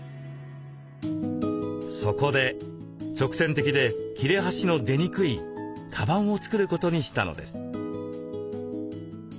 そこで直線的で切れ端の出にくいカバンを作ることにしたのです。